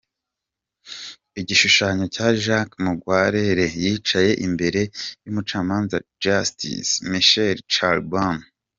Igishushanyo cya Jacques Mungwarere yicaye imbere y’umucamanza Justice Michel Charbonneau.